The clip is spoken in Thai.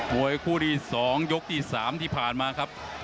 วยคู่ที่๒ยกที่๓ที่ผ่านมาครับ